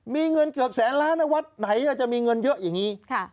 มีเงินเกือบแสนล้านวัดไหนจะมีเงินเยอะอย่างนี้